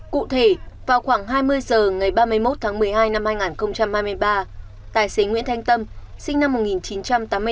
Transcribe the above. cụ thể vào khoảng hai mươi h ngày ba mươi một tháng một mươi hai năm hai nghìn hai mươi ba tài xế nguyễn thanh tâm sinh năm một nghìn chín trăm tám mươi bốn